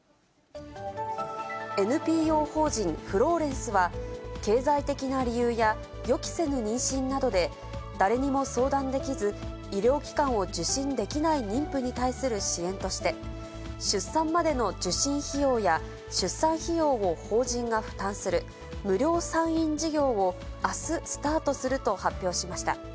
ＮＰＯ法人フローレンスは、経済的な理由や予期せぬ妊娠などで、誰にも相談できず、医療機関を受診できない妊婦に対する支援として、出産までの受診費用や、出産費用を法人が負担する、無料産院事業を、あすスタートすると発表しました。